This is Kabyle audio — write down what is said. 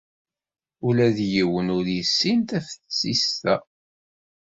Ula d yiwen ur yessin taftist-a.